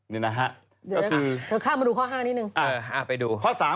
เดี๋ยวข้ามมาดูข้อ๕นิดนึง